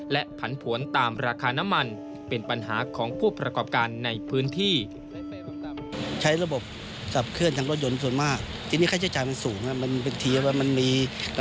และผันผวนตามราคาน้ำมันเป็นปัญหาของผู้ประกอบการในพื้นที่